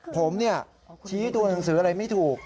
ผมชี้ตัวหนังสืออะไรไม่ถูก